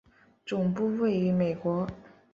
总部位于美国。